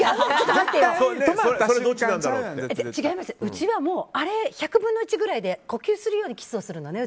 うちはもう１００分の１ぐらいで呼吸するようにキスをするのね